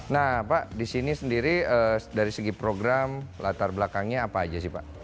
nah pak di sini sendiri dari segi program latar belakangnya apa aja sih pak